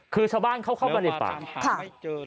คือชาวบ้านเข้าบรรยษภาพ